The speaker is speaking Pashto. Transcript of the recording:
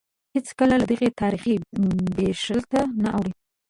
هېڅکله له دغه تاریخي بېلښته نه اوړي.